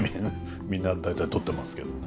みんな大体取ってますけどもね。